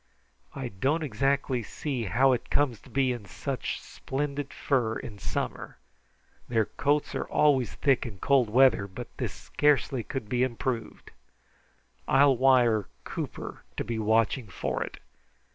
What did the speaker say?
"I don't exactly see how it comes to be in such splendid fur in summer. Their coats are always thick in cold weather, but this scarcely could be improved. I'll wire Cooper to be watching for it.